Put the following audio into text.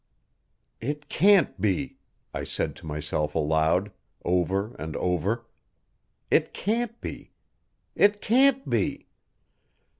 "It can't be," I said to myself aloud, over and over; "it can't be, it can't be."